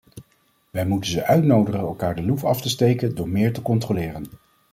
Wij moeten ze uitnodigen elkaar de loef af te steken door meer te controleren.